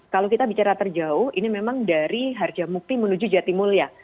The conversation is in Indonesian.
kalau kita bicara terjauh ini memang dari harga mukti menuju jati mulia